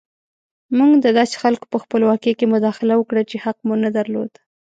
موږ د داسې خلکو په خپلواکۍ کې مداخله وکړه چې حق مو نه درلود.